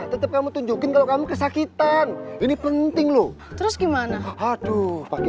tetap kamu tunjukin kalau kamu kesakitan ini penting loh terus gimana aduh pakai